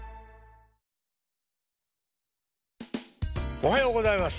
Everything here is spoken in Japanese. おはようございます。